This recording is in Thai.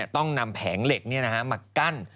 ต้องนำแผงเหล็กมากั้น